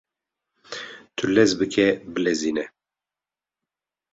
Tu lez bike bilezîne